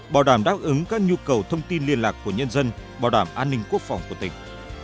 bảo đảm đáp ứng các nhu cầu thông tin liên lạc của nhân dân bảo đảm an ninh quốc phòng của tỉnh